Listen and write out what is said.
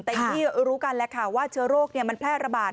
แต่อย่างที่รู้กันแหละค่ะว่าเชื้อโรคมันแพร่ระบาด